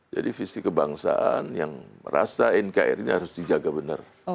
jadi visi kebangsaan yang merasakan nkri ini harus dijaga benar